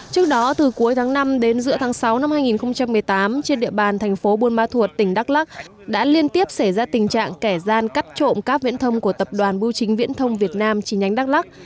trước đó từ cuối tháng năm đến giữa tháng sáu năm hai nghìn một mươi tám trên địa bàn thành phố buôn ma thuột tỉnh đắk lắc đã liên tiếp xảy ra tình trạng kẻ gian cắt trộm cáp viễn thông của tập đoàn bưu chính viễn thông việt nam chính nhánh đắk lắc